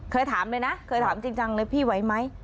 เคยถามด้วยนะเคยถามจริงเลยพี่ไว้ไหม